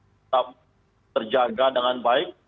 tetap terjaga dengan baik